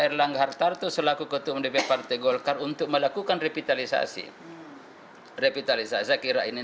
erlangga hartarto selaku ketua mdp partai golkar untuk melakukan revitalisasi revitalisasi saya kira ini